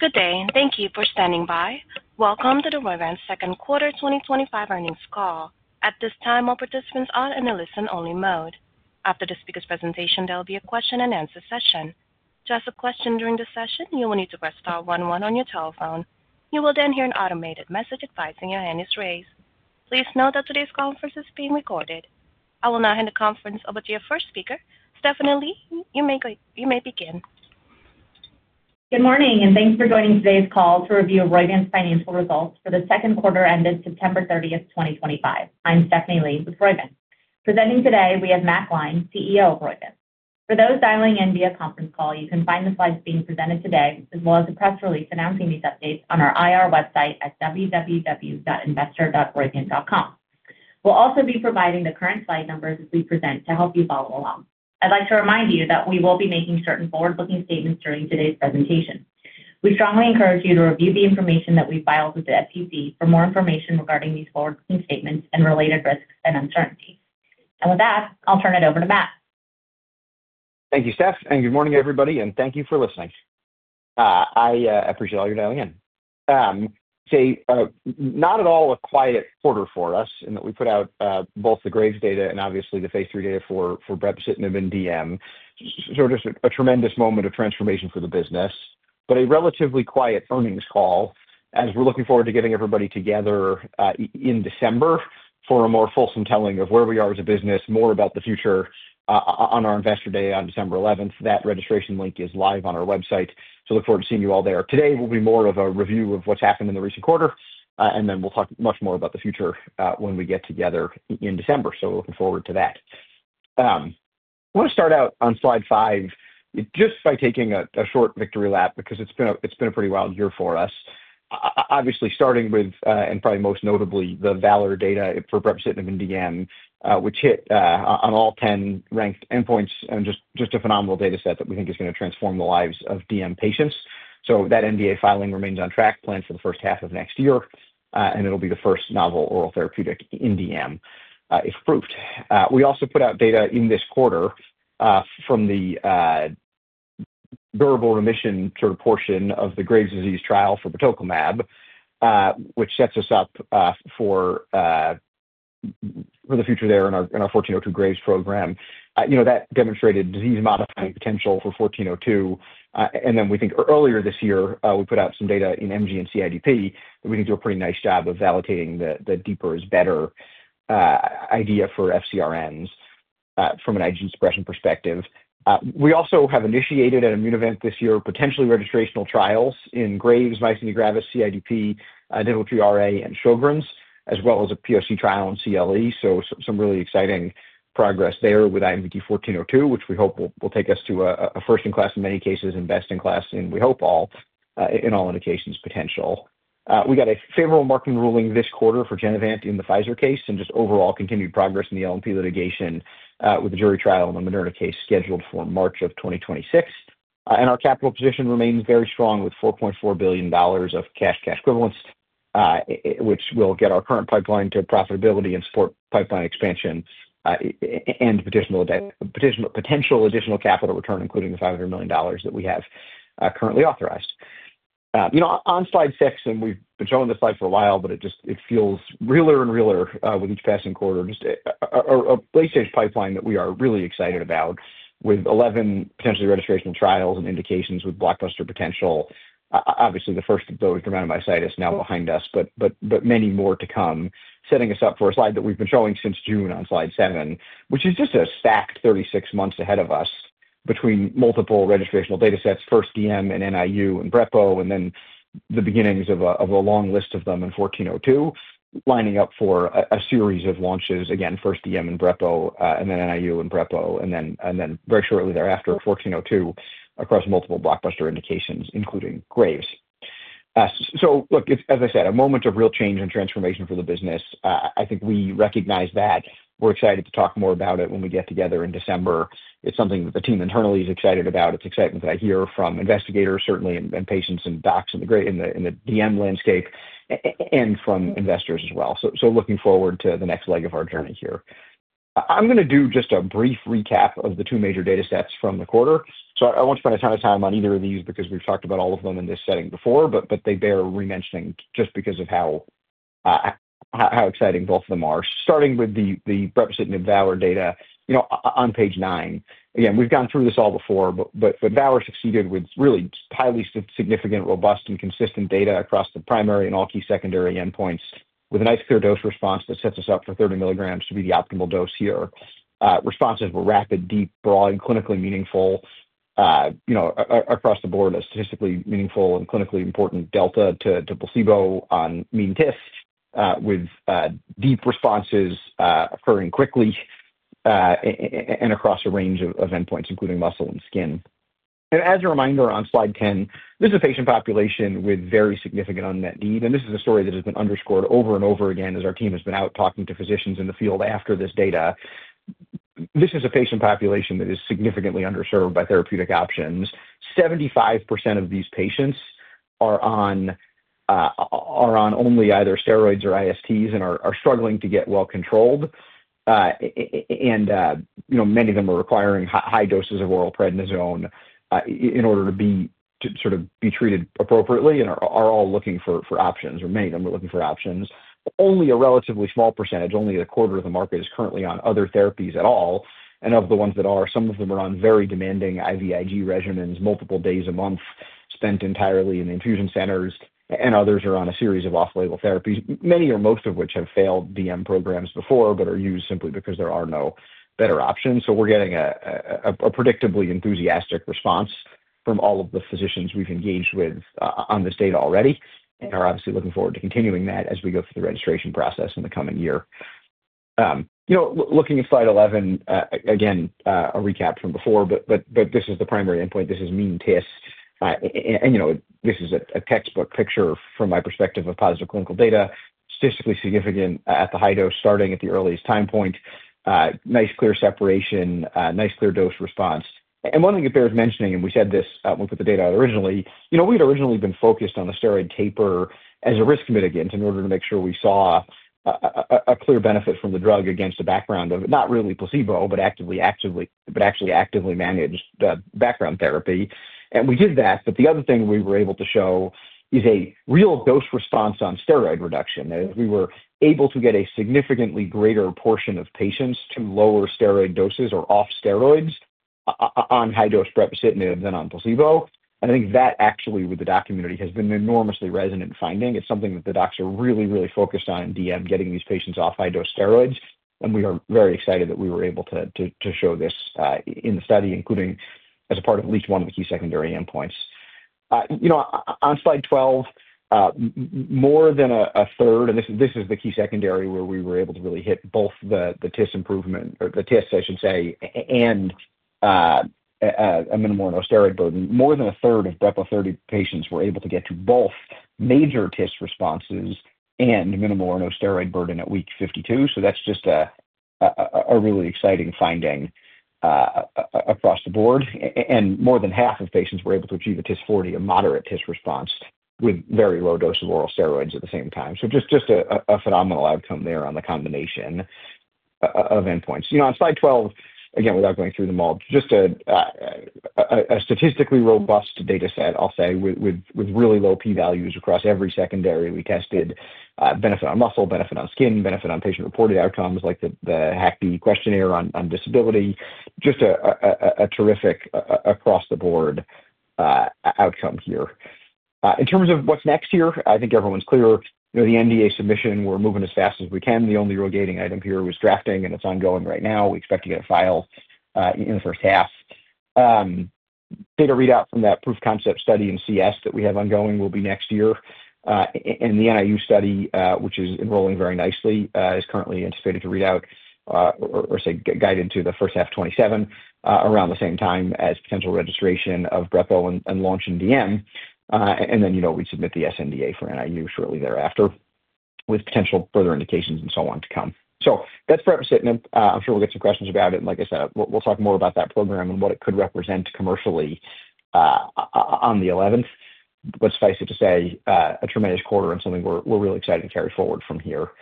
Good day, and thank you for standing by. Welcome to Roivant's second quarter 2025 earnings call. At this time, all participants are in the listen-only mode. After the speaker's presentation, there will be a question-and-answer session. To ask a question during the session, you will need to press star one one on your telephone. You will then hear an automated message advising your hand is raised. Please note that today's conference is being recorded. I will now hand the conference over to your first speaker, Stephanie Lee. You may begin. Good morning, and thanks for joining today's call to review Immunovant's financial results for the second quarter ended September 30th, 2025. I'm Stephanie Lee with Immunovant. Presenting today, we have Matt Gline, CEO of Roivant. For those dialing in via conference call, you can find the slides being presented today, as well as the press release announcing these updates on our IR website at www.investor.roivant.com. We will also be providing the current slide numbers as we present to help you follow along. I would like to remind you that we will be making certain forward-looking statements during today's presentation. We strongly encourage you to review the information that we file with the SEC for more information regarding these forward-looking statements and related risks and uncertainties. With that, I'll turn it over to Matt. Thank you, Steph, and good morning, everybody, and thank you for listening. I appreciate all your dialing in. Not at all a quiet quarter for us in that we put out both the Graves' data and obviously the phase III data for brepocitinib in DM. Just a tremendous moment of transformation for the business, but a relatively quiet earnings call as we are looking forward to getting everybody together in December for a more fulsome telling of where we are as a business, more about the future on our Investor Day on December 11th. That registration link is live on our website, so look forward to seeing you all there. Today will be more of a review of what has happened in the recent quarter, and then we will talk much more about the future when we get together in December. Looking forward to that. I want to start out on slide five just by taking a short victory lap because it's been a pretty wild year for us. Obviously, starting with, and probably most notably, the VALOR data for brepocitinib in DM, which hit on all 10 ranked endpoints and just a phenomenal data set that we think is going to transform the lives of DM patients. That NDA filing remains on track, planned for the first half of next year, and it'll be the first novel oral therapeutic in DM if approved. We also put out data in this quarter from the durable remission sort of portion of the Graves' disease trial for batoclimab, which sets us up for the future there in our 1402 Graves program. You know, that demonstrated disease-modifying potential for 1402. Earlier this year, we put out some data in MG and CIDP, and we think did a pretty nice job of validating the deeper is better idea for FcRns from an IgG suppression perspective. We also have initiated at Immunovant this year potentially registrational trials in Graves, myasthenia gravis, CIDP, D2T RA, and Sjögren's, as well as a POC trial in CLE. Some really exciting progress there with IMVT-1402, which we hope will take us to a first-in-class in many cases and best-in-class, and we hope all in all indications potential. We got a favorable marketing ruling this quarter for Genevant in the Pfizer case and just overall continued progress in the LNP litigation with the jury trial in the Moderna case scheduled for March of 2026. Our capital position remains very strong with $4.4 billion of cash and cash equivalents, which will get our current pipeline to profitability and support pipeline expansion and potential additional capital return, including the $500 million that we have currently authorized. You know, on slide six, and we've been showing this slide for a while, but it just feels realer and realer with each passing quarter, just a late-stage pipeline that we are really excited about with 11 potentially registration trials and indications with blockbuster potential. Obviously, the first of those, dermatomyositis, now behind us, but many more to come. Setting us up for a slide that we've been showing since June on slide seven, which is just a stacked 36 months ahead of us between multiple registrational data sets, first DM and NIU and BREPO, and then the beginnings of a long list of them in 1402, lining up for a series of launches, again, first DM and brepo, and then NIU and brepo, and then very shortly thereafter 1402 across multiple blockbuster indications, including Graves. Look, as I said, a moment of real change and transformation for the business. I think we recognize that. We're excited to talk more about it when we get together in December. It's something that the team internally is excited about. It's exciting that I hear from investigators, certainly, and patients and docs in the DM landscape and from investors as well. Looking forward to the next leg of our journey here. I'm going to do just a brief recap of the two major data sets from the quarter. I won't spend a ton of time on either of these because we've talked about all of them in this setting before, but they bear re-mentioning just because of how exciting both of them are. Starting with the brepocitinib and VALOR data, you know, on page nine, again, we've gone through this all before, but VALOR succeeded with really highly significant, robust, and consistent data across the primary and all key secondary endpoints with a nice clear dose response that sets us up for 30 mg to be the optimal dose here. Responses were rapid, deep, broad, and clinically meaningful, you know, across the board, a statistically meaningful and clinically important delta to placebo on mean TIS with deep responses occurring quickly and across a range of endpoints, including muscle and skin. As a reminder, on slide 10, this is a patient population with very significant unmet need. This is a story that has been underscored over and over again as our team has been out talking to physicians in the field after this data. This is a patient population that is significantly underserved by therapeutic options. 75% of these patients are on only either steroids or ISTs and are struggling to get well controlled. You know, many of them are requiring high doses of oral prednisone in order to sort of be treated appropriately and are all looking for options or many of them are looking for options. Only a relatively small percentage, only a quarter of the market is currently on other therapies at all. Of the ones that are, some of them are on very demanding IVIG regimens, multiple days a month spent entirely in the infusion centers, and others are on a series of off-label therapies, many or most of which have failed DM programs before, but are used simply because there are no better options. We are getting a predictably enthusiastic response from all of the physicians we have engaged with on this data already. We are obviously looking forward to continuing that as we go through the registration process in the coming year. You know, looking at slide 11, again, a recap from before, but this is the primary endpoint. This is mean TIS. You know, this is a textbook picture from my perspective of positive clinical data, statistically significant at the high dose starting at the earliest time point. Nice clear separation, nice clear dose response. One thing it bears mentioning, and we said this with the data originally, you know, we had originally been focused on the steroid taper as a risk mitigant in order to make sure we saw a clear benefit from the drug against a background of not really placebo, but actually actively managed background therapy. We did that, but the other thing we were able to show is a real dose response on steroid reduction. We were able to get a significantly greater portion of patients to lower steroid doses or off steroids on high-dose batoclimab than on placebo. I think that actually with the doc community has been an enormously resonant finding. It's something that the docs are really, really focused on in DM, getting these patients off high-dose steroids. We are very excited that we were able to show this in the study, including as a part of at least one of the key secondary endpoints. You know, on slide 12, more than 1/3, and this is the key secondary where we were able to really hit both the TIS improvement, or the TIS, I should say, and a minimal or no steroid burden. More than 1/3 of brepo 30 patients were able to get to both Major TIS Responses and minimal or no steroid burden at week 52. That's just a really exciting finding across the board. More than 1/2 of patients were able to achieve a TIS40, a Moderate TIS Response with very low dose of oral steroids at the same time. Just a phenomenal outcome there on the combination of endpoints. You know, on slide 12, again, without going through them all, just a statistically robust data set, I'll say, with really low p-values across every secondary we tested, benefit on muscle, benefit on skin, benefit on patient-reported outcomes like the HACD questionnaire on disability. Just a terrific across-the-board outcome here. In terms of what's next here, I think everyone's clear. You know, the NDA submission, we're moving as fast as we can. The only rotating item here was drafting, and it's ongoing right now. We expect to get a file in the first half. Data readout from that proof of concept study in CLE that we have ongoing will be next year. The NIU study, which is enrolling very nicely, is currently anticipated to read out or, say, guide into the first half of 2027, around the same time as potential registration of brepo and launch in DM. You know, we'd submit the SNDA for NIU shortly thereafter with potential further indications and so on to come. That's brepocitinib. I'm sure we'll get some questions about it. Like I said, we'll talk more about that program and what it could represent commercially on the 11th. Suffice it to say, a tremendous quarter and something we're really excited to carry forward from here.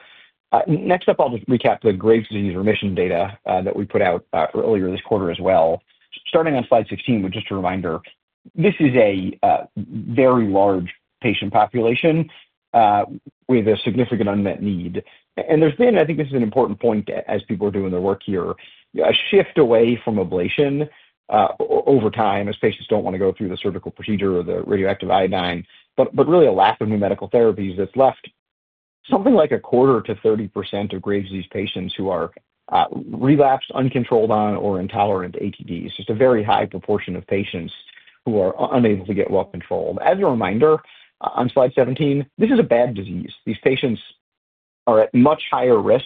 Next up, I'll just recap the Graves' disease remission data that we put out earlier this quarter as well. Starting on slide 16, but just a reminder, this is a very large patient population with a significant unmet need. I think this is an important point as people are doing their work here, a shift away from ablation over time as patients do not want to go through the surgical procedure or the radioactive iodine, but really a lack of new medical therapies that has left something like 1/4 to 30% of Graves' disease patients who are relapse, uncontrolled on or intolerant to ATDs. Just a very high proportion of patients who are unable to get well controlled. As a reminder, on slide 17, this is a bad disease. These patients are at much higher risk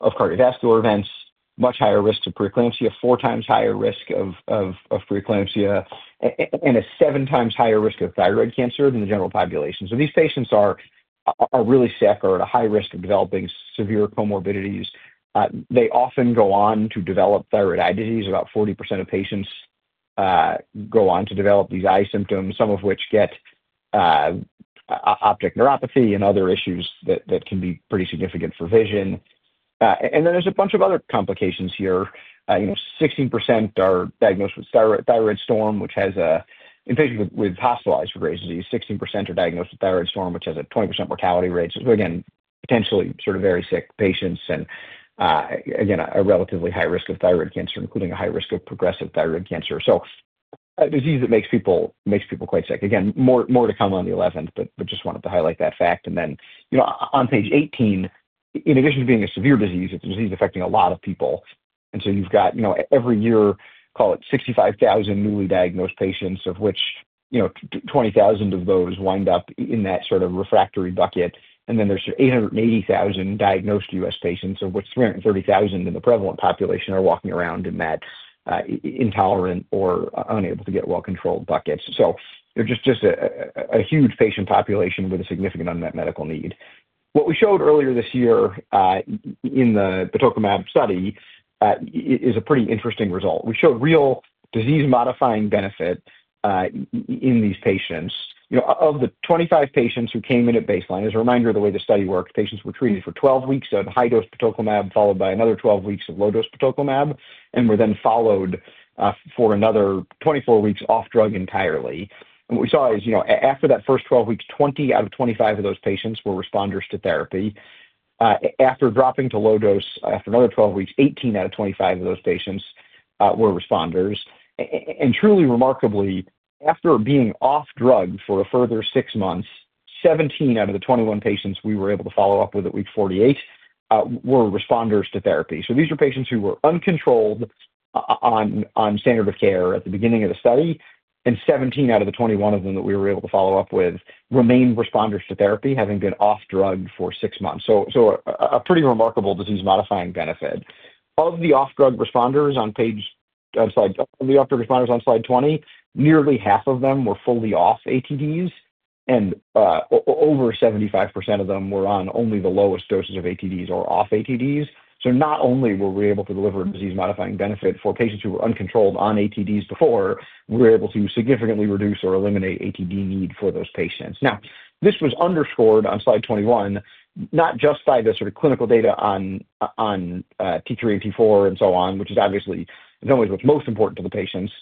of cardiovascular events, much higher risk of preeclampsia, 4x higher risk of preeclampsia, and 7x higher risk of thyroid cancer than the general population. These patients are really sick or at a high risk of developing severe comorbidities. They often go on to develop thyroid eye disease. About 40% of patients go on to develop these eye symptoms, some of which get optic neuropathy and other issues that can be pretty significant for vision. Then there's a bunch of other complications here. You know, 16% are diagnosed with thyroid storm, which has a, in particular, with hospitalized for Graves' disease. 16% are diagnosed with thyroid storm, which has a 20% mortality rate. Again, potentially sort of very sick patients and, again, a relatively high risk of thyroid cancer, including a high risk of progressive thyroid cancer. A disease that makes people quite sick. Again, more to come on the 11th, but just wanted to highlight that fact. Then, you know, on page 18, in addition to being a severe disease, it's a disease affecting a lot of people. You have, you know, every year, call it 65,000 newly diagnosed patients, of which, you know, 20,000 of those wind up in that sort of refractory bucket. There are 880,000 diagnosed U.S. patients, of which 330,000 in the prevalent population are walking around in that intolerant or unable to get well-controlled bucket. They are just a huge patient population with a significant unmet medical need. What we showed earlier this year in the batoclimab study is a pretty interesting result. We showed real disease-modifying benefit in these patients. You know, of the 25 patients who came in at baseline, as a reminder, the way the study worked, patients were treated for 12 weeks of high-dose batoclimab, followed by another 12 weeks of low-dose batoclimab, and were then followed for another 24 weeks off drug entirely. What we saw is, you know, after that first 12 weeks, 20/25 of those patients were responders to therapy. After dropping to low dose, after another 12 weeks, 18/25 of those patients were responders. Truly remarkably, after being off drug for a further six months, 17/21 patients we were able to follow up with at week 48 were responders to therapy. These are patients who were uncontrolled on standard of care at the beginning of the study, and 17/21 of them that we were able to follow up with remained responders to therapy, having been off drug for six months. A pretty remarkable disease-modifying benefit. Of the off-drug responders on page, on the off-drug responders on slide 20, nearly half of them were fully off ATDs, and over 75% of them were on only the lowest doses of ATDs or off ATDs. Not only were we able to deliver disease-modifying benefit for patients who were uncontrolled on ATDs before, we were able to significantly reduce or eliminate ATD need for those patients. This was underscored on slide 21, not just by the sort of clinical data on T3 and T4 and so on, which is obviously the most important to the patients,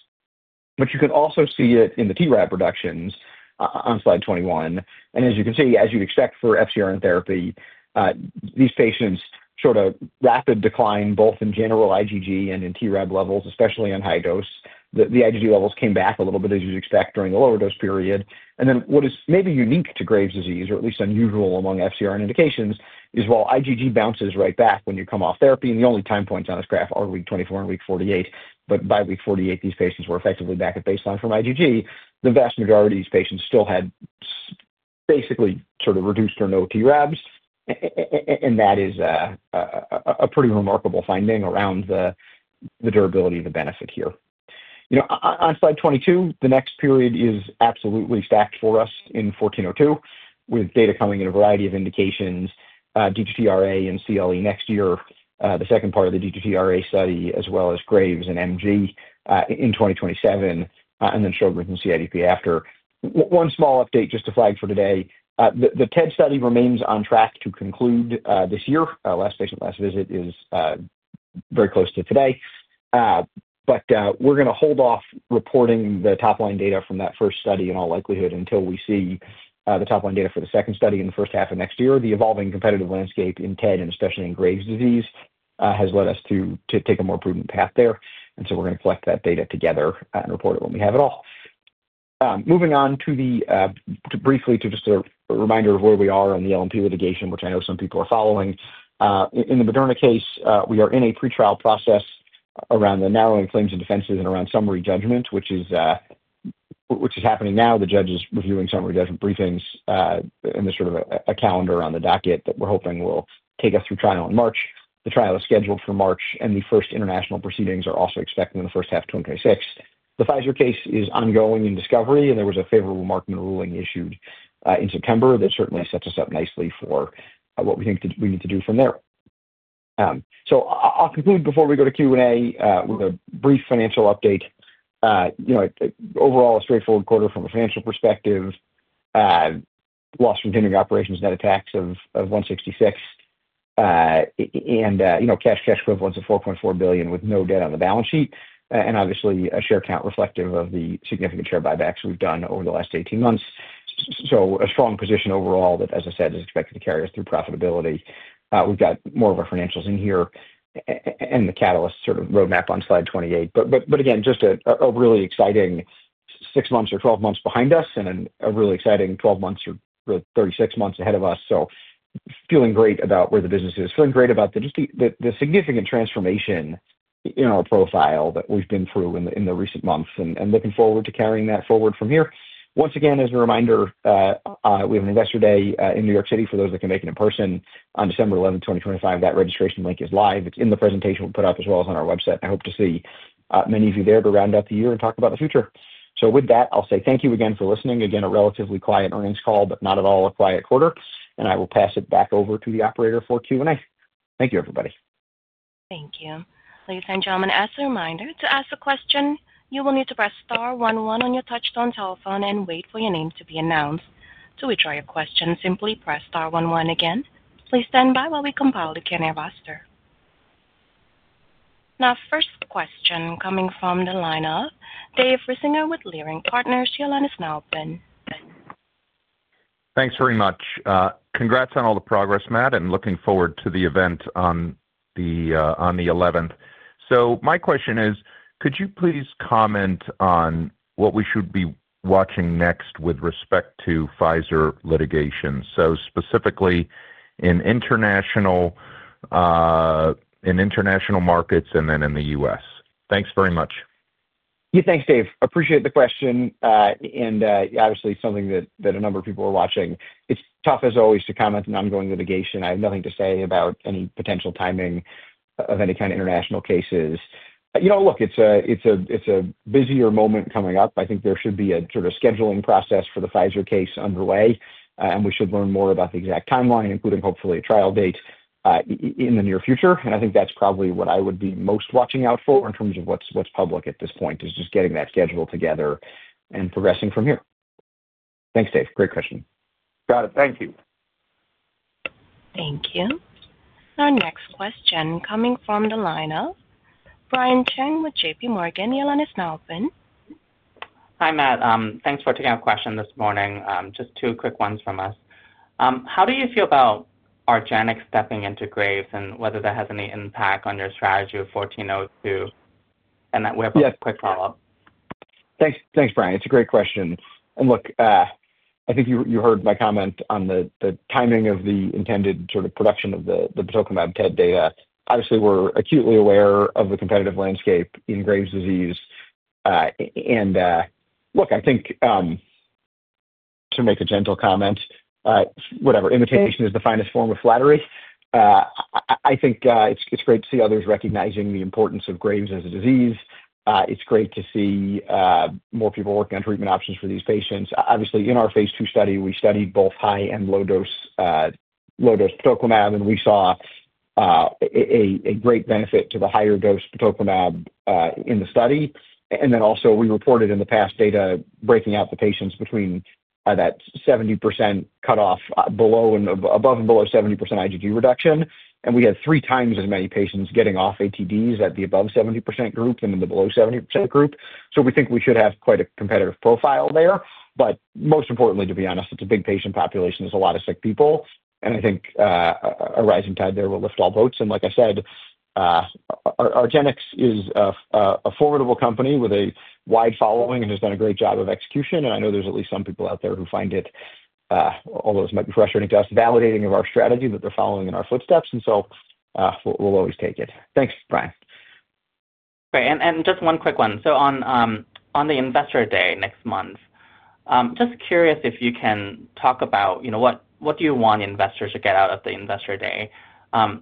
but you can also see it in the TRAb reductions on slide 21. As you can see, as you'd expect for FcRn therapy, these patients showed a rapid decline both in general IgG and in TRAb levels, especially on high dose. The IgG levels came back a little bit, as you'd expect, during the lower dose period. What is maybe unique to Graves' disease, or at least unusual among FcRn indications, is while IgG bounces right back when you come off therapy, and the only time points on this graph are week 24 and week 48, by week 48, these patients were effectively back at baseline from IgG. The vast majority of these patients still had basically sort of reduced or no TRAb, and that is a pretty remarkable finding around the durability of the benefit here. You know, on slide 22, the next period is absolutely stacked for us in 1402, with data coming in a variety of indications, D2T RA and CLE next year, the second part of the D2T RA study, as well as Graves and MG in 2027, and then Sjögren's and CIDP after. One small update just to flag for today, the TED study remains on track to conclude this year. Last patient, last visit is very close to today. We are going to hold off reporting the top-line data from that first study in all likelihood until we see the top-line data for the second study in the first half of next year. The evolving competitive landscape in TED and especially in Graves' disease has led us to take a more prudent path there. We are going to collect that data together and report it when we have it all. Moving on briefly to just a reminder of where we are on the LNP litigation, which I know some people are following. In the Moderna case, we are in a pretrial process around the narrowing claims and defenses and around summary judgment, which is happening now. The judge is reviewing summary judgment briefings and there's sort of a calendar on the docket that we're hoping will take us through trial in March. The trial is scheduled for March, and the first international proceedings are also expected in the first half of 2026. The Pfizer case is ongoing in discovery, and there was a favorable marketing ruling issued in September that certainly sets us up nicely for what we think we need to do from there. I'll conclude before we go to Q&A with a brief financial update. You know, overall, a straightforward quarter from a financial perspective, loss from continuing operations, net of tax of $166 million, and, you know, cash and cash equivalents of $4.4 billion with no debt on the balance sheet, and obviously a share count reflective of the significant share buybacks we've done over the last 18 months. A strong position overall that, as I said, is expected to carry us through profitability. We've got more of our financials in here and the catalyst sort of roadmap on slide 28. Again, just a really exciting six months or 12 months behind us and a really exciting 12 months or 36 months ahead of us. Feeling great about where the business is, feeling great about the significant transformation in our profile that we've been through in the recent months and looking forward to carrying that forward from here. Once again, as a reminder, we have an Investor Day in New York City for those that can make it in person on December 11th, 2025. That registration link is live. It's in the presentation we'll put up as well as on our website. I hope to see many of you there to round up the year and talk about the future. With that, I'll say thank you again for listening. Again, a relatively quiet earnings call, but not at all a quiet quarter. I will pass it back over to the operator for Q&A. Thank you, everybody. Thank you. Ladies and Gentlemen. As a reminder, to ask a question, you will need to press star one one on your touch-tone telephone and wait for your name to be announced. To withdraw your question, simply press star one one again. Please stand by while we compile the Q&A roster. Now, first question coming from the lineup, Dave Risinger with Leerink Partners, your line is now open. Thanks very much. Congrats on all the progress, Matt, and looking forward to the event on the 11th. My question is, could you please comment on what we should be watching next with respect to Pfizer litigation? Specifically in international markets and then in the U.S. Thanks very much. Yeah, thanks, Dave. Appreciate the question. Obviously something that a number of people are watching. It's tough, as always, to comment on ongoing litigation. I have nothing to say about any potential timing of any kind of international cases. You know, look, it's a busier moment coming up. I think there should be a sort of scheduling process for the Pfizer case underway, and we should learn more about the exact timeline, including hopefully a trial date in the near future. I think that's probably what I would be most watching out for in terms of what's public at this point, just getting that schedule together and progressing from here. Thanks, Dave. Great question. Got it. Thank you. Thank you. Next question coming from the lineup, Brian Cheng with JPMorgan, your line is now open. Hi, Matt. Thanks for taking our question this morning. Just two quick ones from us. How do you feel about Argenx stepping into Graves and whether that has any impact on your strategy of 1402? We have a quick follow-up. Thanks, Brian. It's a great question. I think you heard my comment on the timing of the intended sort of production of the batoclimab TED data. Obviously, we're acutely aware of the competitive landscape in Graves' disease. I think, to make a gentle comment, whatever, imitation is the finest form of flattery. I think it's great to see others recognizing the importance of Graves' as a disease. It's great to see more people working on treatment options for these patients. Obviously, in our phase two study, we studied both high and low-dose batoclimab, and we saw a great benefit to the higher dose batoclimab in the study. We reported in the past data breaking out the patients between that 70% cutoff below and above and below 70% IgG reduction. We had three times as many patients getting off ATDs at the above 70% group as in the below 70% group. We think we should have quite a competitive profile there. Most importantly, to be honest, it is a big patient population. There are a lot of sick people. I think a rising tide there will lift all boats. Like I said, Argenx is a formidable company with a wide following and has done a great job of execution. I know there are at least some people out there who find it, although it might be frustrating to us, validating of our strategy, but they are following in our footsteps. We will always take it. Thanks, Brian. Okay. Just one quick one. On the Investor Day next month, just curious if you can talk about, you know, what do you want investors to get out of the Investor Day?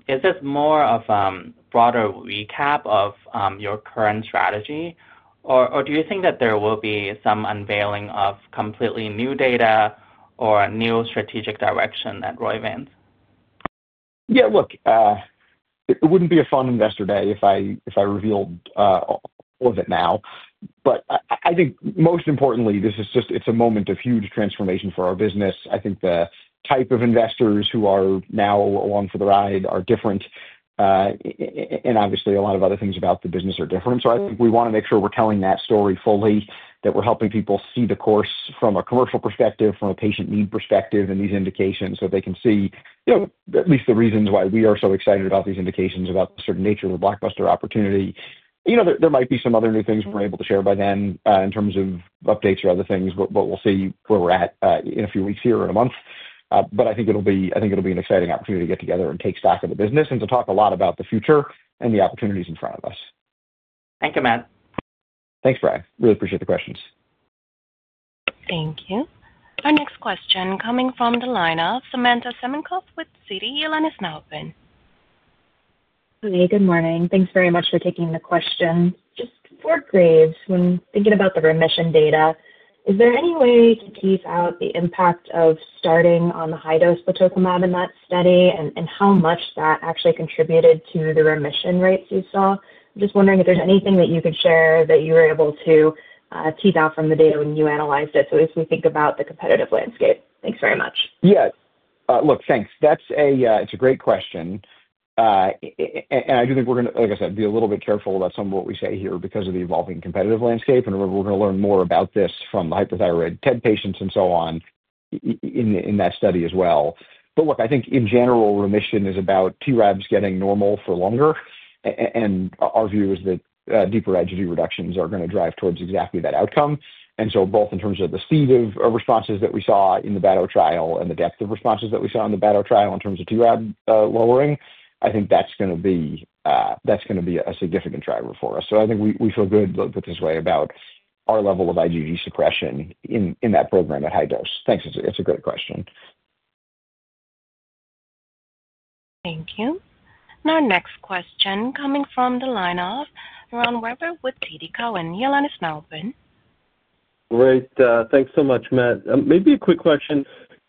Is this more of a broader recap of your current strategy, or do you think that there will be some unveiling of completely new data or a new strategic direction at Immunovant? Yeah, look, it would not be a fun investor day if I revealed all of it now. I think most importantly, this is just, it is a moment of huge transformation for our business. I think the type of investors who are now along for the ride are different, and obviously a lot of other things about the business are different. I think we want to make sure we're telling that story fully, that we're helping people see the course from a commercial perspective, from a patient need perspective, and these indications so they can see, you know, at least the reasons why we are so excited about these indications, about the sort of nature of the blockbuster opportunity. You know, there might be some other new things we're able to share by then in terms of updates or other things, but we'll see where we're at in a few weeks here or in a month. I think it'll be an exciting opportunity to get together and take stock of the business and to talk a lot about the future and the opportunities in front of us. Thank you, Matt. Thanks, Brian. Really appreciate the questions. Thank you. Our next question coming from the lineup, Samantha Semenkow with Citi, your line is now open. Hi, good morning. Thanks very much for taking the question. Just for Graves', when thinking about the remission data, is there any way to tease out the impact of starting on the high-dose batoclimab in that study and how much that actually contributed to the remission rates you saw? I'm just wondering if there's anything that you could share that you were able to tease out from the data when you analyzed it so as we think about the competitive landscape. Thanks very much. Yeah. Look, thanks. That's a great question. I do think we're going to, like I said, be a little bit careful about some of what we say here because of the evolving competitive landscape. We're going to learn more about this from the hyperthyroid TED patients and so on in that study as well. Look, I think in general, remission is about TRAb getting normal for longer. Our view is that deeper IgG reductions are going to drive towards exactly that outcome. Both in terms of the speed of responses that we saw in the bato trial and the depth of responses that we saw in the bato trial in terms of TRAb lowering, I think that's going to be a significant driver for us. I think we feel good, let's put it this way, about our level of IgG suppression in that program at high dose. Thanks. It's a great question. Thank you. Now, our next question coming from the lineup, Yaron Werber with TD Cowen, your line is now open. Great. Thanks so much, Matt. Maybe a quick question.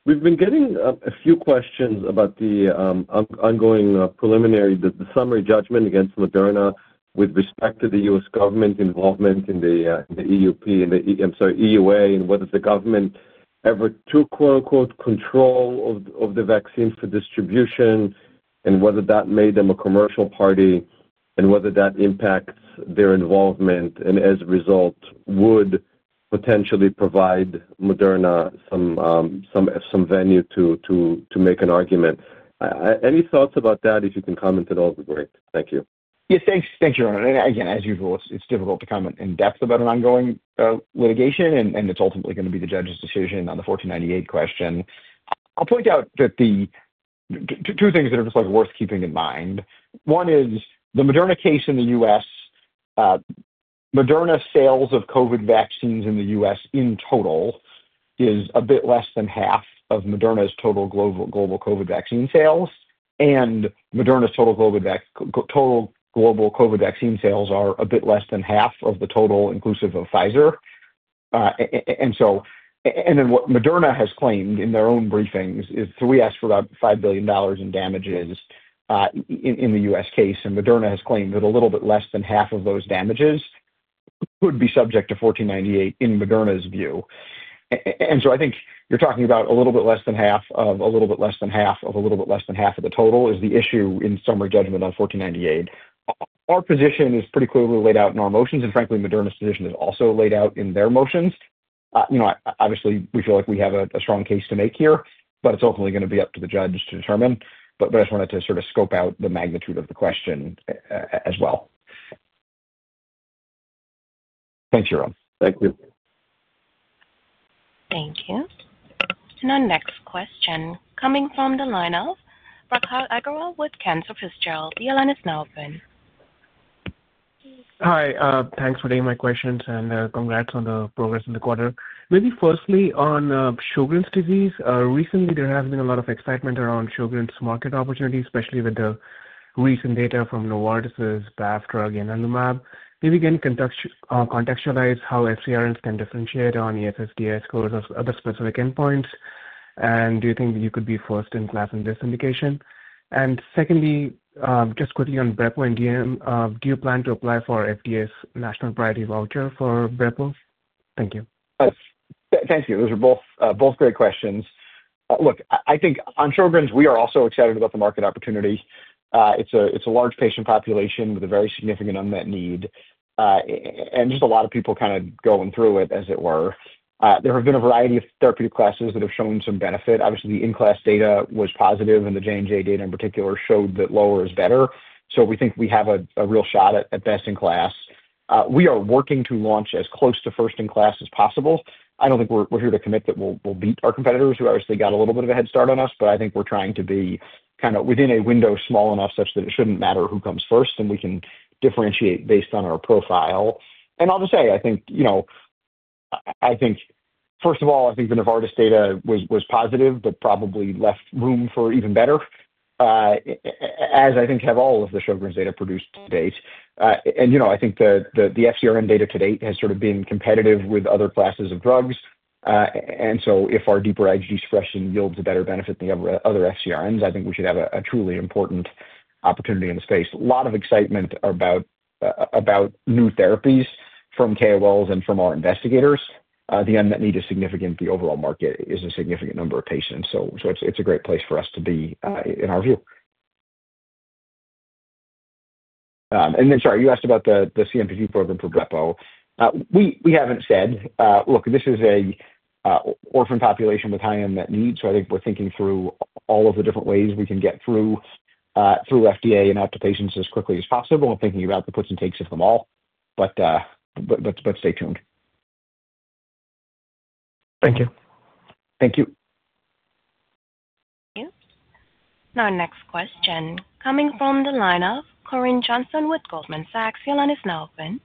We've been getting a few questions about the ongoing preliminary, the summary judgment against Moderna with respect to the U.S. government involvement in the EUA, and whether the government ever took "control" of the vaccines for distribution and whether that made them a commercial party and whether that impacts their involvement and as a result would potentially provide Moderna some venue to make an argument. Any thoughts about that? If you can comment at all, it'd be great. Thank you. Yes, thanks. Thank you, Yaron. Again, as usual, it's difficult to comment in depth about an ongoing litigation, and it's ultimately going to be the judge's decision on the 1498 question. I'll point out that the two things that are just worth keeping in mind. One is the Moderna case in the U.S. Moderna sales of COVID vaccines in the U.S. in total is a bit less than half of Moderna's total global COVID vaccine sales. Moderna's total global COVID vaccine sales are a bit less than half of the total inclusive of Pfizer. What Moderna has claimed in their own briefings is, we asked for about $5 billion in damages in the U.S. case, and Moderna has claimed that a little bit less than half of those damages would be subject to 1498 in Moderna's view. I think you're talking about a little bit less than half of a little bit less than half of a little bit less than half of the total is the issue in summary judgment on 1498. Our position is pretty clearly laid out in our motions, and frankly, Moderna's position is also laid out in their motions. You know, obviously, we feel like we have a strong case to make here, but it's ultimately going to be up to the judge to determine. I just wanted to sort of scope out the magnitude of the question as well. Thanks Yaron. Thank you. Thank you. Our next question coming from the lineup, Prakhar Agrawal with Cantor Fitzgerald, your line is now open. Hi. Thanks for taking my questions and congrats on the progress in the quarter. Maybe firstly on Sjögren's Disease, recently there has been a lot of excitement around Sjögren's market opportunity, especially with the recent data from Novartis' BAFF drug and ianalumab. Maybe can you contextualize how FcRns can differentiate on ESSDAI scores or other specific endpoints? Do you think you could be first in class in this indication? Secondly, just quickly on brepo in DM, do you plan to apply for FDA's national priority voucher for brepo? Thank you. Thank you. Those are both great questions. Look, I think on Sjögren's, we are also excited about the market opportunity. It's a large patient population with a very significant unmet need. Just a lot of people kind of going through it, as it were. There have been a variety of therapeutic classes that have shown some benefit. Obviously, the in-class data was positive, and the J&J data in particular showed that lower is better. We think we have a real shot at best in class. We are working to launch as close to first in class as possible. I do not think we are here to commit that we will beat our competitors, who obviously got a little bit of a head start on us, but I think we are trying to be kind of within a window small enough such that it should not matter who comes first, and we can differentiate based on our profile. I will just say, I think, you know, I think first of all, I think the Novartis data was positive, but probably left room for even better, as I think have all of the Sjögren's data produced to date. You know, I think the FcRn data to date has sort of been competitive with other classes of drugs. If our deeper IgG suppression yields a better benefit than the other FcRns, I think we should have a truly important opportunity in the space. There is a lot of excitement about new therapies from KOLs and from our investigators. The unmet need is significant. The overall market is a significant number of patients. It is a great place for us to be in our view. Sorry, you asked about the CMPG program for brepo. We have not said, look, this is an orphan population with high unmet needs. I think we are thinking through all of the different ways we can get through FDA and out to patients as quickly as possible and thinking about the puts and takes of them all. Stay tuned. Thank you. Thank you. Now, our next question coming from the lineup, Corinne Johnson with Goldman Sachs, your line is now open.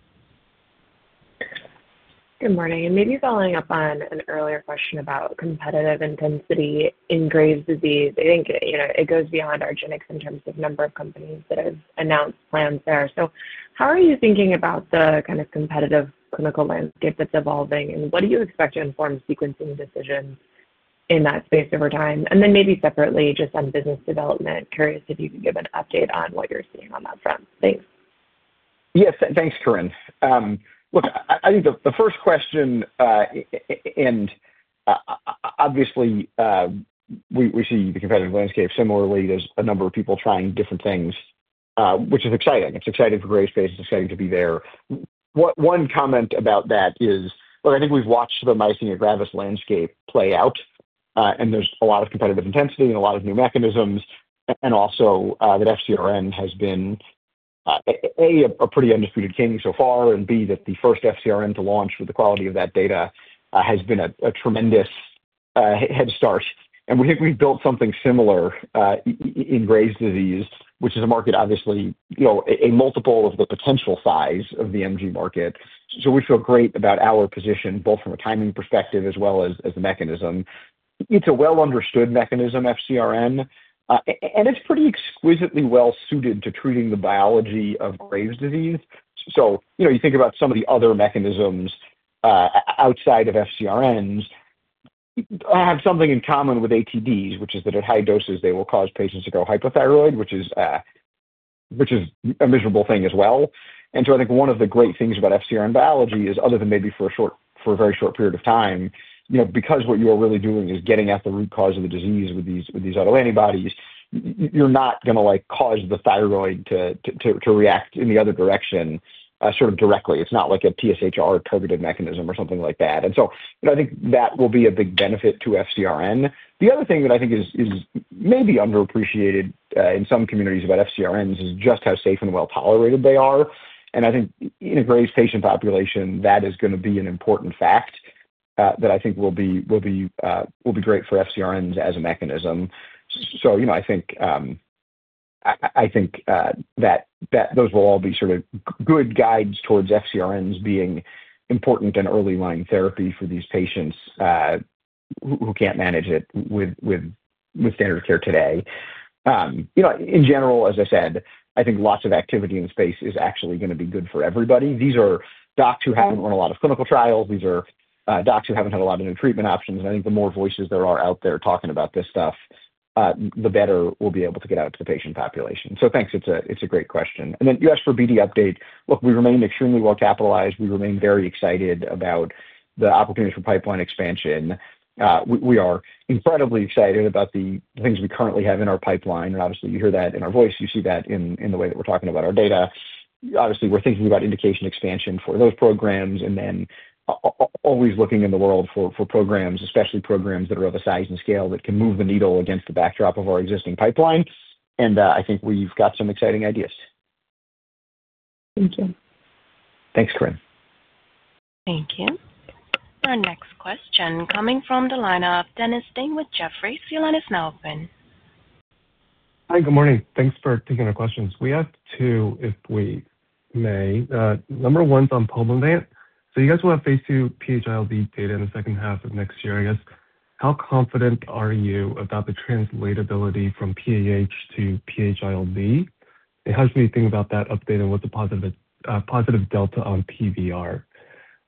Good morning. Maybe following up on an earlier question about competitive intensity in Graves' disease, I think it goes beyond Argenx in terms of number of companies that have announced plans there. How are you thinking about the kind of competitive clinical landscape that is evolving, and what do you expect to inform sequencing decisions in that space over time? Maybe separately, just on business development, curious if you could give an update on what you are seeing on that front. Thanks. Yes, thanks, Corinne. Look, I think the first question, and obviously, we see the competitive landscape. Similarly, there is a number of people trying different things, which is exciting. It is exciting for Graves' space. It is exciting to be there. One comment about that is, look, I think we've watched the myasthenia gravis landscape play out, and there's a lot of competitive intensity and a lot of new mechanisms. Also, that FcRn has been, A) a pretty undisputed king so far, and B) that the first FcRn to launch with the quality of that data has been a tremendous head start. We think we've built something similar in Graves' disease, which is a market, obviously, you know, a multiple of the potential size of the MG market. We feel great about our position, both from a timing perspective as well as the mechanism. It's a well-understood mechanism, FcRn, and it's pretty exquisitely well-suited to treating the biology of Graves' disease. You know, you think about some of the other mechanisms outside of FcRns, they have something in common with ATDs, which is that at high doses, they will cause patients to go hyperthyroid, which is a miserable thing as well. I think one of the great things about FcRn biology is, other than maybe for a very short period of time, because what you are really doing is getting at the root cause of the disease with these autoantibodies, you're not going to cause the thyroid to react in the other direction sort of directly. It's not like a TSHR-targeted mechanism or something like that. I think that will be a big benefit to FcRn. The other thing that I think is maybe underappreciated in some communities about FcRns is just how safe and well-tolerated they are. I think in a Graves' patient population, that is going to be an important fact that I think will be great for FcRns as a mechanism. You know, I think that those will all be sort of good guides towards FcRns being important and early line therapy for these patients who can't manage it with standard care today. In general, as I said, I think lots of activity in the space is actually going to be good for everybody. These are docs who haven't run a lot of clinical trials. These are docs who haven't had a lot of new treatment options. I think the more voices there are out there talking about this stuff, the better we'll be able to get out to the patient population. Thanks. It's a great question. You asked for BD update. Look, we remain extremely well-capitalized. We remain very excited about the opportunities for pipeline expansion. We are incredibly excited about the things we currently have in our pipeline. Obviously, you hear that in our voice. You see that in the way that we're talking about our data. Obviously, we're thinking about indication expansion for those programs and then always looking in the world for programs, especially programs that are of a size and scale that can move the needle against the backdrop of our existing pipeline. I think we've got some exciting ideas. Thank you. Thanks, Corinne. Thank you. Our next question coming from the lineup, Dennis Ding with Jefferies, your line is now open. Hi, good morning. Thanks for taking our questions. We have two, if we may. Number one, on Pulmovant. You guys will have phase II PH-ILD data in the second half of next year, I guess. How confident are you about the translatability from PAH to PH-ILD? It has me thinking about that update and what's a positive delta on PVR.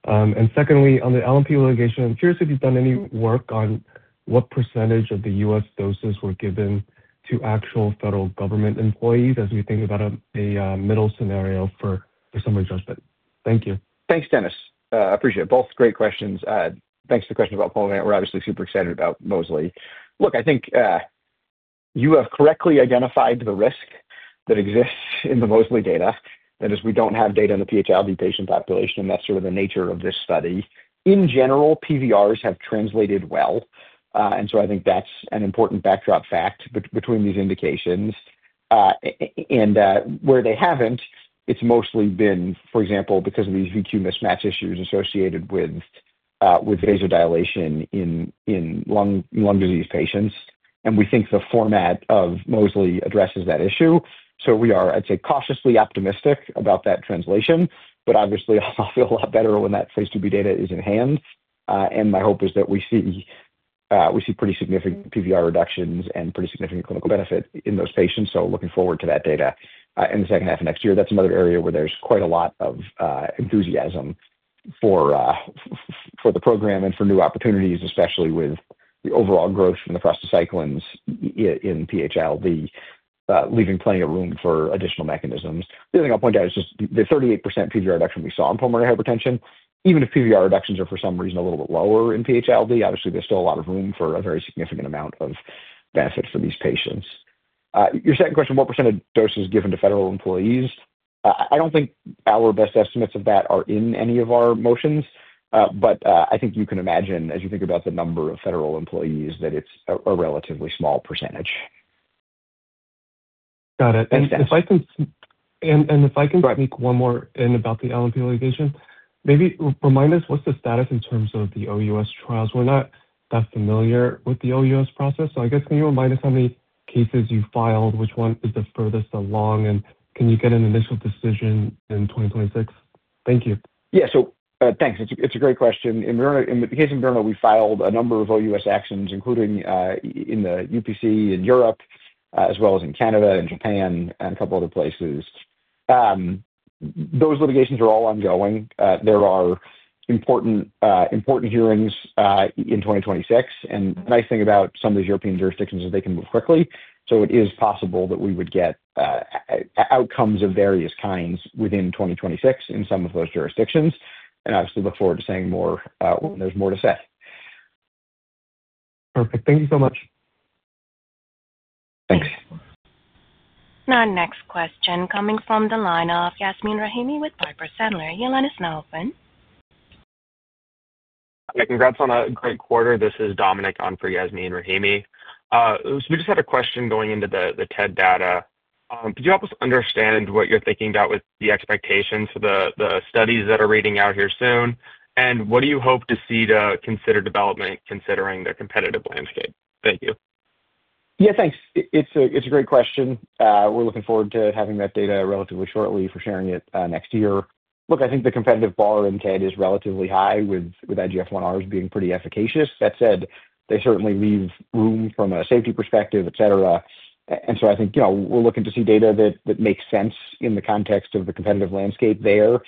And secondly, on the LNP litigation, I'm curious if you've done any work on what percentage of the U.S. doses were given to actual federal government employees as we think about a middle scenario for summary judgment. Thank you. Thanks, Dennis. I appreciate it. Both great questions. Thanks for the question about Pulmovant. We're obviously super excited about Mosli. Look, I think you have correctly identified the risk that exists in the Mosli data. That is, we don't have data in the PH-ILD patient population, and that's sort of the nature of this study. In general, PVRs have translated well. And so, I think that's an important backdrop fact between these indications. Where they haven't, it's mostly been, for example, because of these VQ mismatch issues associated with vasodilation in lung disease patients. We think the format of Mosli addresses that issue. We are, I'd say, cautiously optimistic about that translation. Obviously, I'll feel a lot better when that phase II-B data is in hand. My hope is that we see pretty significant PVR reductions and pretty significant clinical benefit in those patients. Looking forward to that data in the second half of next year. That's another area where there's quite a lot of enthusiasm for the program and for new opportunities, especially with the overall growth in the prostacyclines in PH-ILD, leaving plenty of room for additional mechanisms. The other thing I'll point out is just the 38% PVR reduction we saw in pulmonary hypertension. Even if PVR reductions are for some reason a little bit lower in PH-ILD, obviously, there's still a lot of room for a very significant amount of benefit for these patients. Your second question, what % of doses given to federal employees? I don't think our best estimates of that are in any of our motions. I think you can imagine, as you think about the number of federal employees, that it's a relatively small %. Got it. If I can think one more in about the LNP litigation, maybe remind us what's the status in terms of the OUS trials. We're not that familiar with the OUS process. I guess can you remind us how many cases you filed, which one to defer this along, and can you get an initial decision in 2026? Thank you. Yeah, thanks. It's a great question. In the case in Brno, we filed a number of OUS actions, including in the UPC in Europe, as well as in Canada and Japan and a couple of other places. Those litigations are all ongoing. There are important hearings in 2026. The nice thing about some of these European jurisdictions is they can move quickly. It is possible that we would get outcomes of various kinds within 2026 in some of those jurisdictions. I obviously look forward to saying more when there's more to say. Perfect. Thank you so much. Thanks. Now, our next question coming from the lineup, Yasmeen Rahimi with Piper Sandler, your line is now open. Congrats on a great quarter. This is Dominic on for Yasmeen Rahimi. We just had a question going into the TED data. Could you help us understand what you're thinking about with the expectations for the studies that are reading out here soon? And what do you hope to see to consider development considering the competitive landscape? Thank you. Yeah, thanks. It's a great question. We're looking forward to having that data relatively shortly for sharing it next year. Look, I think the competitive ball in TED is relatively high with IGF-1Rs being pretty efficacious. That said, they certainly leave room from a safety perspective, etc. And so, I think, you know, we're looking to see data that makes sense in the context of the competitive landscape there.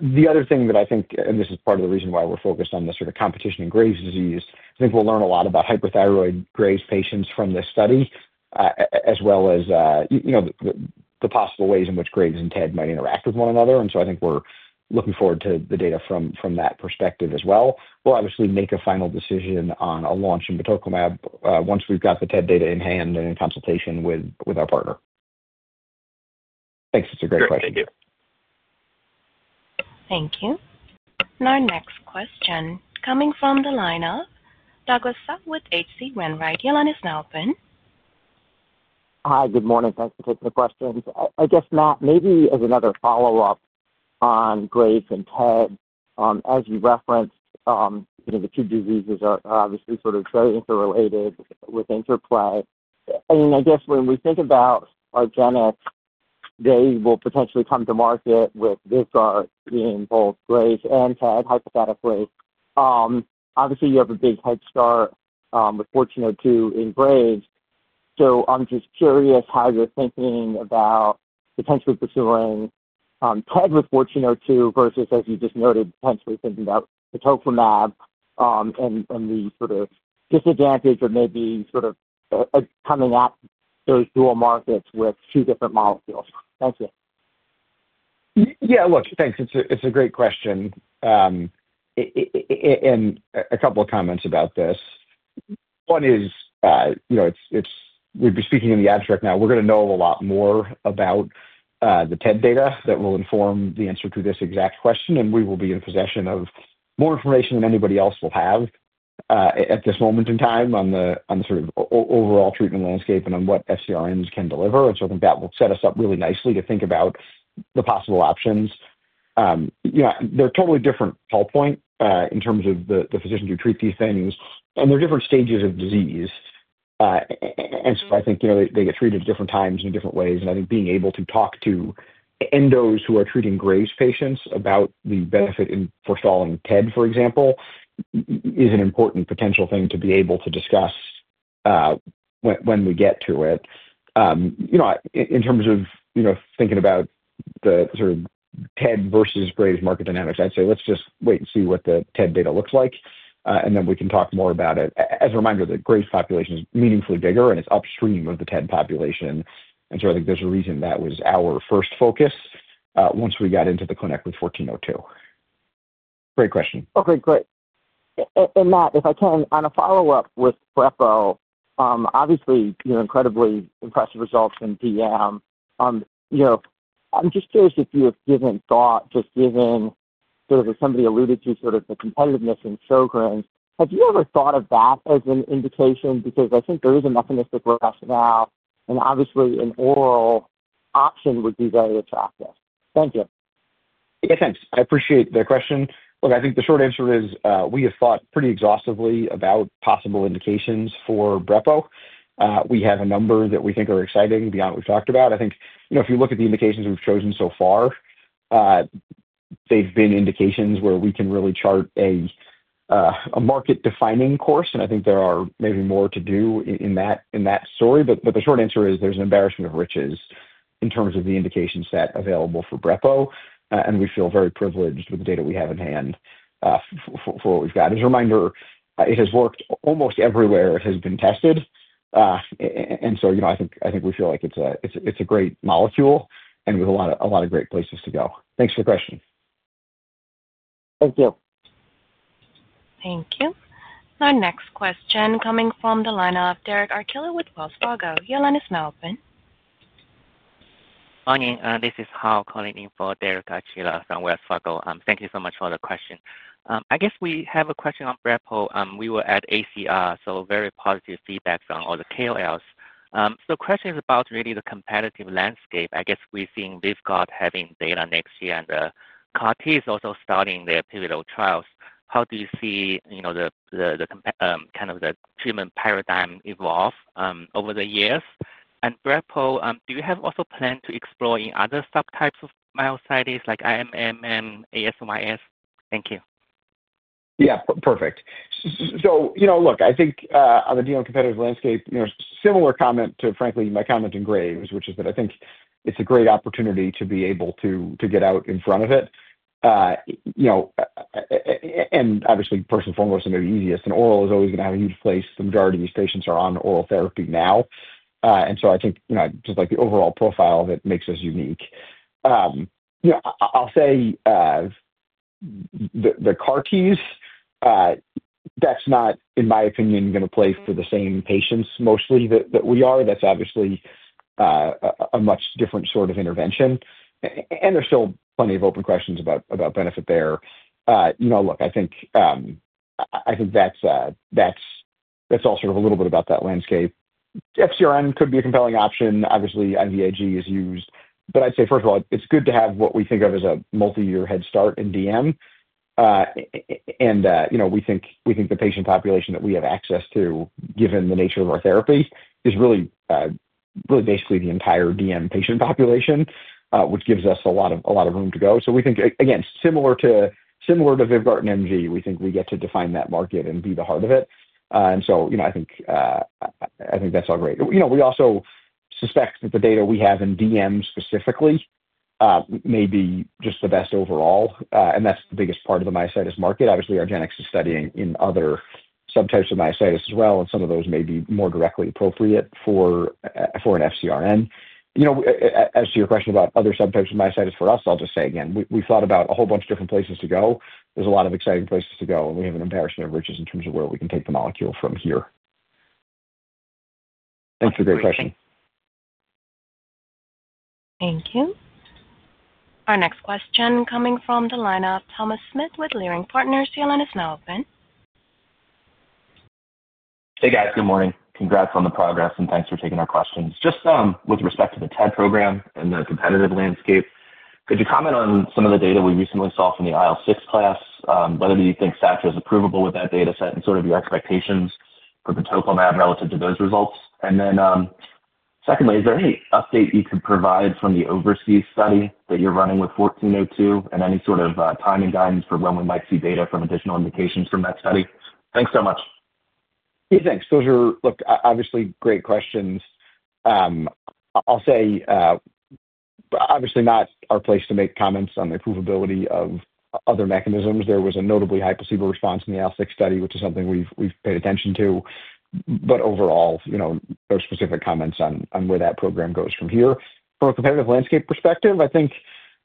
The other thing that I think, and this is part of the reason why we're focused on the sort of competition in Graves' disease, I think we'll learn a lot about hyperthyroid Graves' patients from this study, as well as, you know, the possible ways in which Graves' and TED might interact with one another. I think we're looking forward to the data from that perspective as well. We'll obviously make a final decision on a launch in batoclimab once we've got the TED data in hand and in consultation with our partner. Thanks. It's a great question. Thank you. Thank you. Now, our next question coming from the lineup, Douglas Tsao with H. C. Wainwright, your line is now open. Hi, good morning. Thanks for taking the question. I guess maybe as another follow-up on Graves' and TED, as you referenced, the two diseases are obviously sort of interrelated with interplay. I mean, I guess when we think about Argenx, they will potentially come to market with VYVGART in both Graves' and TED, hypothetically. Obviously, you have a big head start with 1402 in Graves. I'm just curious how you're thinking about potentially pursuing TED with 1402 versus, as you just noted, potentially thinking about batoclimab and the sort of disadvantage of maybe sort of coming out very dual markets with two different molecules. Thank you. Yeah, look, thanks. It's a great question. A couple of comments about this. One is, you know, we've been speaking in the abstract now. We're going to know a lot more about the TED data that will inform the answer to this exact question. We will be in possession of more information than anybody else will have at this moment in time on the sort of overall treatment landscape and on what FcRns can deliver. I think that will set us up really nicely to think about the possible options. You know, they're a totally different call point in terms of the physicians who treat these things. There are different stages of disease. I think, you know, they get treated at different times and different ways. I think being able to talk to endos who are treating Graves' patients about the benefit in forceful TED, for example, is an important potential thing to be able to discuss when we get to it. You know, in terms of, you know, thinking about the sort of TED versus Graves' market dynamics, I'd say let's just wait and see what the TED data looks like. Then we can talk more about it. As a reminder, the Graves' population is meaningfully bigger, and it's upstream of the TED population. I think there's a reason that was our first focus once we got into the clinic with 1402. Great question. Okay, great. Matt, if I can, on a follow-up with brepo, obviously, you know, incredibly impressive results in DM. I'm just curious if you've given thought, just given sort of as somebody alluded to, the competitiveness in Sjögren, have you ever thought of that as an indication? I think there is a mechanistic rationale and obviously an oral option would be very attractive. Thank you. Yeah, thanks. I appreciate the question. Look, I think the short answer is we have thought pretty exhaustively about possible indications for brepo. We have a number that we think are exciting beyond what we've talked about. I think, you know, if you look at the indications we've chosen so far, they've been indications where we can really chart a market-defining course. I think there are maybe more to do in that story. The short answer is there's an embarrassment of riches in terms of the indication set available for brepo. We feel very privileged with the data we have in hand for what we've got. As a reminder, it has worked almost everywhere it has been tested. You know, I think we feel like it's a great molecule and with a lot of great places to go. Thanks for the question. Thank you. Thank you. Next question coming from the lineup, Derek Arcilla with Wells Fargo, your line is now open. Morning. This is Hau calling in for Derek Archila from Wells Fargo. Thank you so much for the question. I guess we have a question on brepo. We were at ACR, so very positive feedback on all the KOLs. The question is about really the competitive landscape. I guess we've seen VYVGART having data next year and the CAR-T is also starting their pivotal trials. How do you see, you know, the kind of the treatment paradigm evolve over the years? And brepo, do you have also planned to explore in other subtypes of myositis like IMNM, ASYS? Thank you. Yeah, perfect. You know, look, I think on the DM competitive landscape, similar comment to, frankly, my comment in Graves, which is that I think it's a great opportunity to be able to get out in front of it. You know, and obviously, first and foremost, it's going to be easiest. Oral is always going to have a huge place. The majority of these patients are on oral therapy now. I think, you know, just like the overall profile of it makes us unique. I'll say the CAR-Ts, that's not, in my opinion, going to play for the same patients mostly that we are. That's obviously a much different sort of intervention. There's still plenty of open questions about benefit there. You know, look, I think that's all sort of a little bit about that landscape. FcRn could be a compelling option. Obviously, IVIG is used. I'd say, first of all, it's good to have what we think of as a multi-year head start in DM. You know, we think the patient population that we have access to, given the nature of our therapy, is really basically the entire DM patient population, which gives us a lot of room to go. We think, again, similar to VYVGART in MG, we get to define that market and be the heart of it. You know, I think that's all great. We also suspect that the data we have in DM specifically may be just the best overall. That's the biggest part of the myositis market. Obviously, Argenx is studying in other subtypes of myositis as well, and some of those may be more directly appropriate for an FcRn. You know, as to your question about other subtypes of myositis for us, I'll just say again, we've thought about a whole bunch of different places to go. There's a lot of exciting places to go. We have an embarrassment of riches in terms of where we can take the molecule from here. Thanks for the great question. Thank you. Our next question coming from the lineup, Thomas Smith with Leerink Partners, your line is now open. Hey, guys. Good morning. Congrats on the progress. Thanks for taking our questions. Just with respect to the TED program and the competitive landscape, could you comment on some of the data we recently saw from the IL-6 class? Whether you think SATSA is approvable with that data set and sort of your expectations for batoclimab relative to those results. And then secondly, is there any update you could provide from the overseas study that you're running with 1402 and any sort of timing guidance for when we might see data from additional indications from that study? Thanks so much. Yeah, thanks. Those are, look, obviously great questions. I'll say, obviously not our place to make comments on the provability of other mechanisms. There was a notably high placebo response in the IL-6 study, which is something we've paid attention to. Overall, you know, no specific comments on where that program goes from here. From a competitive landscape perspective, I think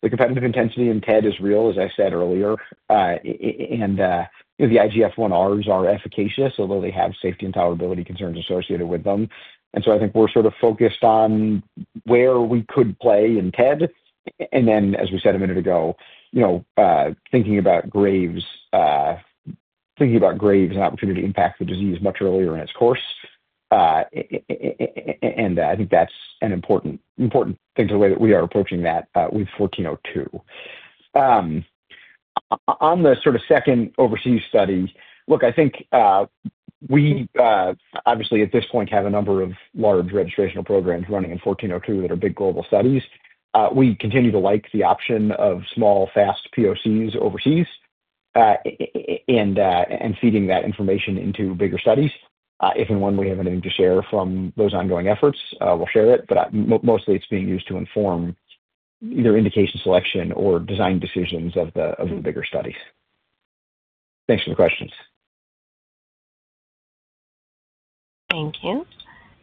the competitive intensity in TED is real, as I said earlier. The IGF-1Rs are efficacious, although they have safety and tolerability concerns associated with them. I think we're sort of focused on where we could play in TED. As we said a minute ago, you know, thinking about Graves, thinking about Graves' opportunity to impact the disease much earlier in its course. I think that's an important thing to the way that we are approaching that with 1402. On the sort of second overseas study, look, I think we obviously at this point have a number of large registrational programs running in 1402 that are big global studies. We continue to like the option of small, fast POCs overseas and feeding that information into bigger studies. If and when we have anything to share from those ongoing efforts, we'll share it. Mostly, it's being used to inform either indication selection or design decisions of the bigger studies. Thanks for the questions. Thank you.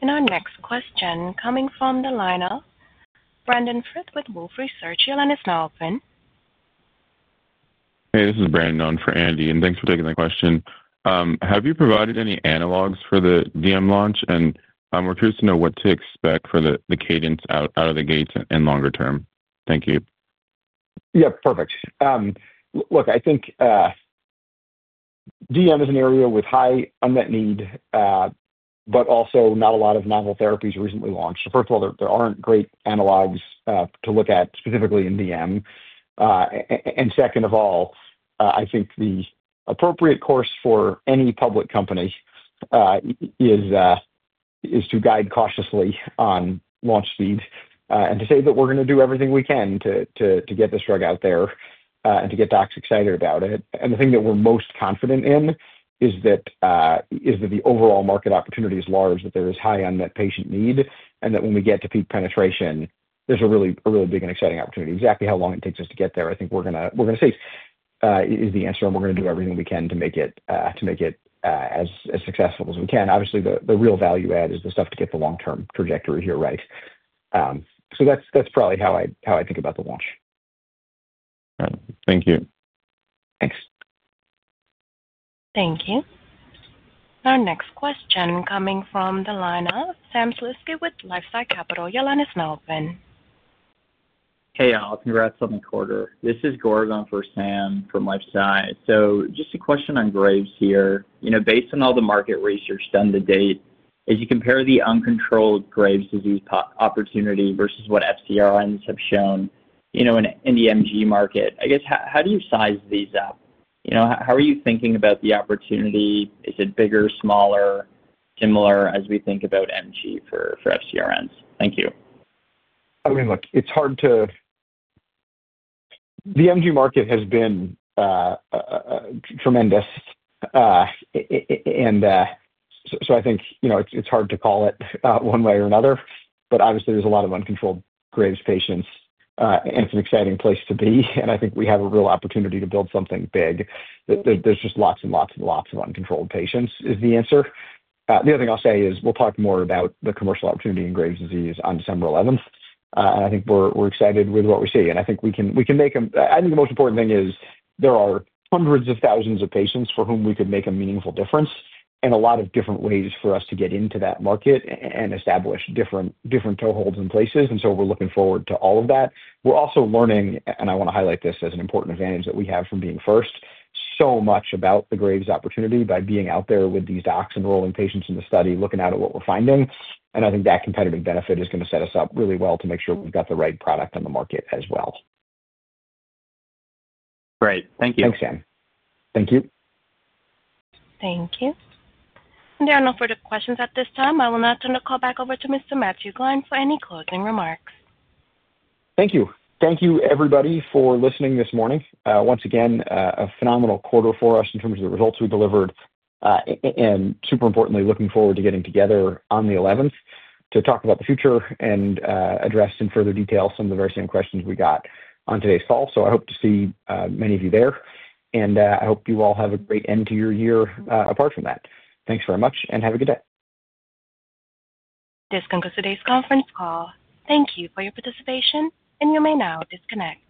Our next question coming from the lineup, Brandon Frith with Wolf Research, your line is now open. Hey, this is Brandon for Andy. Thanks for taking the question. Have you provided any analogs for the DM launch? We're curious to know what to expect for the cadence out of the gates and longer term. Thank you. Yeah, perfect. Look, I think DM is an area with high unmet need, but also not a lot of novel therapies recently launched. First of all, there aren't great analogs to look at specifically in DM. Second of all, I think the appropriate course for any public company is to guide cautiously on launch speed and to say that we're going to do everything we can to get this drug out there and to get docs excited about it. The thing that we're most confident in is that the overall market opportunity is large, that there is high unmet patient need, and that when we get to peak penetration, there's a really big and exciting opportunity. Exactly how long it takes us to get there, I think we're going to see is the answer. We're going to do everything we can to make it as successful as we can. Obviously, the real value add is the stuff to get the long-term trajectory here right. That's probably how I think about the launch. Thank you. Thanks. Thank you. Our next question coming from the lineup, Sam Slutsky with LifeSci Capital, your line is now open. Hey, all. Congrats on the quarter. This is Gorgon for Sam from Lifestyle. Just a question on Graves here. You know, based on all the market research done to date, as you compare the uncontrolled Graves disease opportunity versus what FcRns have shown, you know, in the MG market, I guess, how do you size these up? You know, how are you thinking about the opportunity? Is it bigger, smaller, similar as we think about MG for FcRns? Thank you. I mean, look, it's hard to—the MG market has been tremendous. And so I think, you know, it's hard to call it one way or another. Obviously, there's a lot of uncontrolled Graves patients. It's an exciting place to be. I think we have a real opportunity to build something big. There's just lots and lots and lots of uncontrolled patients is the answer. The other thing I'll say is we'll talk more about the commercial opportunity in Graves' disease on December 11th. I think we're excited with what we see. I think we can make them—I think the most important thing is there are hundreds of thousands of patients for whom we could make a meaningful difference and a lot of different ways for us to get into that market and establish different toeholds and places. We are looking forward to all of that. We are also learning, and I want to highlight this as an important advantage that we have from being first, so much about the Graves opportunity by being out there with these docs enrolling patients in the study, looking out at what we're finding. I think that competitive benefit is going to set us up really well to make sure we've got the right product on the market as well. Great. Thank you. Thanks, Sam. Thank you. Thank you. There are no further questions at this time. I will now turn the call back over to Mr. Matt Gline for any closing remarks. Thank you. Thank you, everybody, for listening this morning. Once again, a phenomenal quarter for us in terms of the results we delivered. And super importantly, looking forward to getting together on the 11th to talk about the future and address in further detail some of the very same questions we got on today's call. I hope to see many of you there. I hope you all have a great end to your year apart from that. Thanks very much and have a good day. This concludes today's conference call. Thank you for your participation and you may now disconnect.